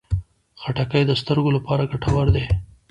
خټکی د سترګو لپاره ګټور دی.